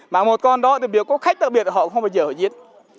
mà một con đó thì biểu có khách tự biệt thì họ cũng không bao giờ giết